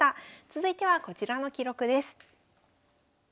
続いてはこちらの記録です。